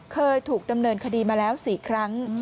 เคยถูกดำเนินคดีมาแล้ว๔ครั้ง